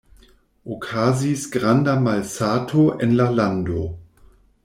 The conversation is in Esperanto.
Okazis granda malsato en la lando.